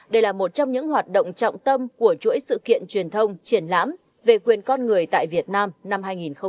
đây là một trong những hoạt động trọng tâm của chuỗi sự kiện truyền thông triển lãm về quyền con người tại việt nam năm hai nghìn hai mươi